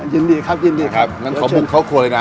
ยินดีครับยินดีครับงั้นขอบุกเข้าครัวเลยนะ